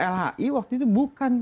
lhi waktu itu bukan